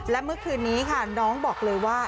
และเมื่อคืนนี้ค่ะน้องบอกเลยว่า